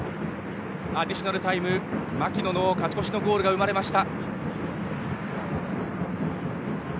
アディショナルタイム槙野の勝ち越しゴールが生まれました。